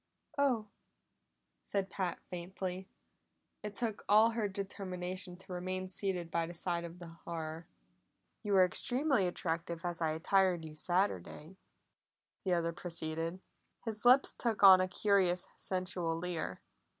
"Oh!" said Pat faintly. It took all her determination to remain seated by the side of the horror. "You were extremely attractive as I attired you Saturday," the other proceeded. His lips took on a curious sensual leer.